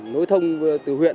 nối thông từ huyện